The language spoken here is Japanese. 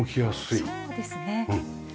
そうですね。